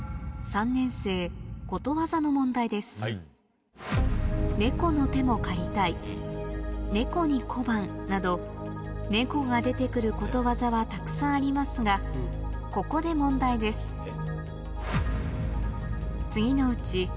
の問題ですなど猫が出てくることわざはたくさんありますがここで問題ですでも。